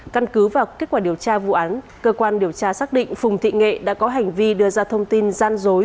căn cứ vào kết quả điều tra vụ án cơ quan điều tra xác định phùng thị nghệ đã có hành vi đưa ra thông tin gian dối